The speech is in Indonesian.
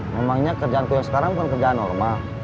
memangnya kerjaanku yang sekarang bukan kerjaan normal